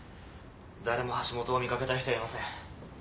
誰も橋本を見かけた人はいません。